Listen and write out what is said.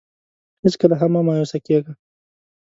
هېڅکله هم مه مایوسه کېږه.